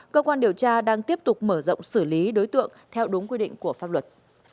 cơ quan điều tra đang tiếp tục mở rộng xử lý đối tượng theo đúng quy định của pháp luật